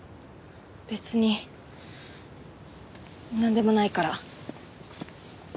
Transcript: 別になんでもないから。